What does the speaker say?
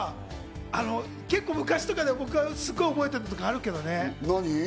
結構、昔とかで僕がすっごい覚えてるのあるけどね。